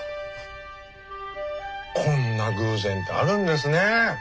こんな偶然てあるんですねえ。